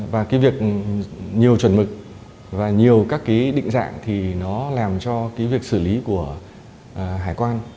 và cái việc nhiều chuẩn mực và nhiều các cái định dạng thì nó làm cho cái việc xử lý của hải quan